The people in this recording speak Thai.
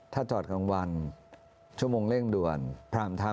ถ้าจอดกลางวันชั่วโมงเร่งด่วนพรามทัพ